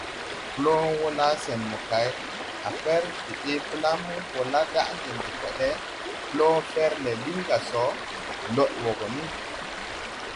Bloon wɔ laa sen mokay, a fɛr de dee blam wɔ la daʼ ngel de kode. Bloon fɛrle lin ga so, lod wɔ gɔ ni.